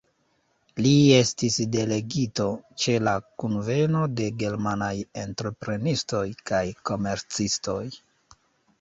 Li estis delegito ĉe la kunveno de germanaj entreprenistoj kaj komercistoj.